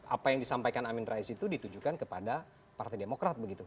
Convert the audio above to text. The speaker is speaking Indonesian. apa yang disampaikan amin rais itu ditujukan kepada partai demokrat begitu